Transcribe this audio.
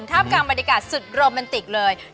ท่าบการบรรดิกาสสุดโรแมนติกเลย